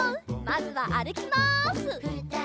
まずはあるきます！